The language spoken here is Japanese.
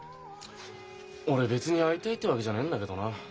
俺別に会いたいってわけじゃねえんだけどな。